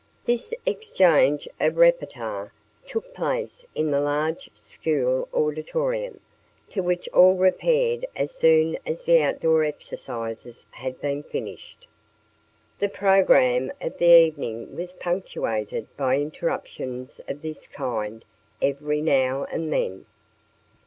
This exchange of repartee took place in the large school auditorium, to which all repaired as soon as the outdoor exercises had been finished. The program of the evening was punctuated by interruptions of this kind every now and then.